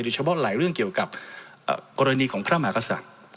เฉพาะหลายเรื่องเกี่ยวกับกรณีของพระมหากษัตริย์